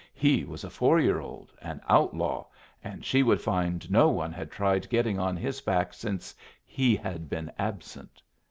He was a four year old, an outlaw, and she would find no one had tried getting on his back since he had been absent.